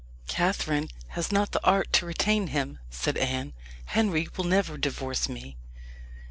"Catherine has not the art to retain him," said Anne. "Henry will never divorce me."